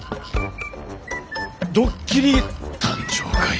ドッキリ誕生会。